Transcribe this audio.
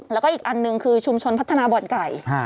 แล้วก็อีกอันหนึ่งคือชุมชนพัฒนาบ่อนไก่